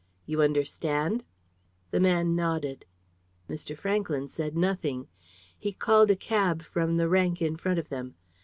You understand?" The man nodded. Mr. Franklyn said nothing. He called a cab from the rank in front of them.